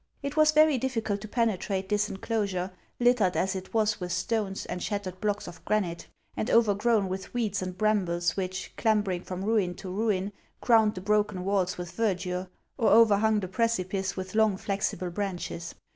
It was very difficult to penetrate this enclosure, littered as it was with stones and shattered blocks of granite, and overgrown with weeds and brambles which, clambering from ruin to ruin, crowned the broken walls with verdure, or overhung the precipice with long, flexible branches.